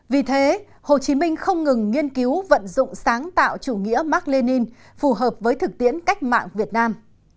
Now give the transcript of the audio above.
vì thế hồ chí minh không ngừng nghiên cứu vận dụng sáng tạo chủ nghĩa mark lenin phù hợp với thực tiễn cách mạng việt nam